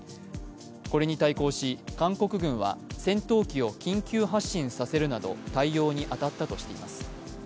これに対抗し、韓国軍は戦闘機を緊急発進させるなど対応に当たったとしています。